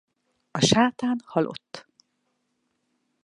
A Sátán halott!